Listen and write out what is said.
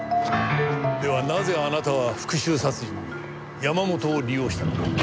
ではなぜあなたは復讐殺人に山本を利用したのか？